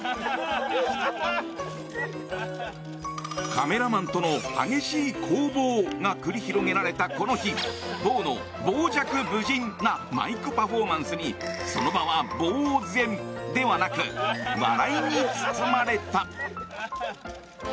カメラマンとの激しい攻防が繰り広げられたこの日ボーの傍若無人なマイクパフォーマンスにその場は、ぼうぜんではなく笑いに包まれた。